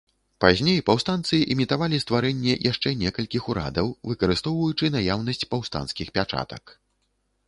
Пазней паўстанцы імітавалі стварэнне яшчэ некалькіх урадаў, выкарыстоўваючы наяўнасць паўстанцкіх пячатак.